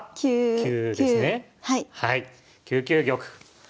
９九玉。